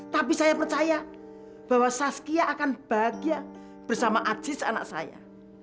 tapi saya percaya bahwa saskia akan bahagia bersama ajis anak saya